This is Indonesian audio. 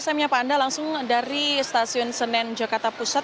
saya menyapa anda langsung dari stasiun senen jakarta pusat